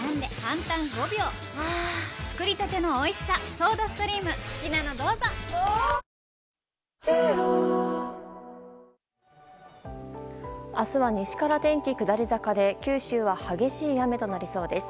サントリー明日は西から天気下り坂で九州は激しい雨となりそうです。